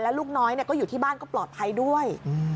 ลูกน้อยก็อยู่ที่บ้านก็ปลอดภัยด้วย